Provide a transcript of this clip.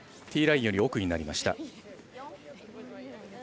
ティーラインより奥になりました。